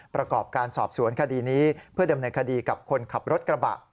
ประกอบการสอบสวนคดีนี้เพื่อดำเนินคดีกับคนขับรถกระบะ